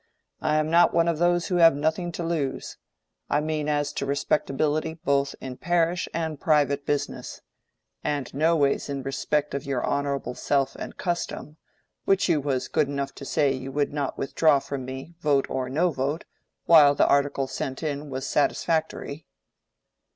I am not one of those who have nothing to lose: I mean as to respectability both in parish and private business, and noways in respect of your honorable self and custom, which you was good enough to say you would not withdraw from me, vote or no vote, while the article sent in was satisfactory."